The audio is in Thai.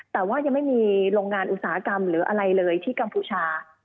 แต่ว่ายังไม่มีโรงงานอุตสาหกรรมหรืออะไรเลยที่กัมพูชา